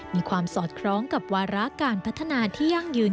มีความสอดคล้องกับวาระการพัฒนาที่ยั่งยืน